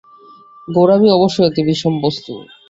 গোঁড়ামি অবশ্যই অতি বিষম বস্তু।